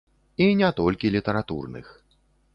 І не толькі літаратурных.